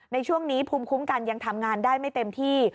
ในช่วงนี้ภูมิคุ้มกันยังทำงานได้ไม่เต็มที่